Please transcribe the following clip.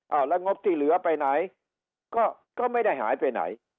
เอาแล้วงบที่เหลือไปไหนก็ไม่ได้หายไปไหน